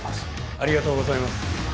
ありがとうございます